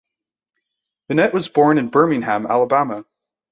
Bennett was born in Birmingham, Alabama.